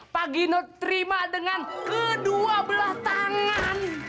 pak gino terima dengan kedua belah tangan